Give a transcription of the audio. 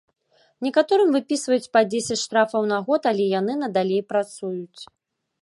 Некаторым выпісваюць па дзесяць штрафаў на год, але яны надалей працуюць.